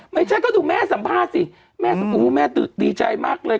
ไม่ใช่ก็ดูแม่สัมภาษณ์สิแม่ดีใจมากเลย